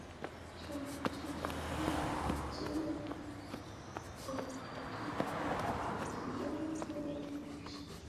সামরিক শাসনামলে দেশ চলে আমলা-টেকনোক্র্যাটের দ্বারা, তাই রাজনৈতিক সিদ্ধান্ত তাঁরা নেন না।